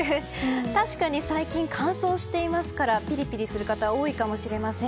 確かに最近乾燥していますからピリピリする方多いかもしれません。